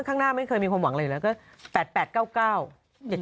ข้างหน้าไม่เคยมีความหวังหรืออะไร